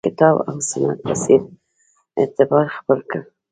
د کتاب او سنت په څېر اعتبار خپل کړ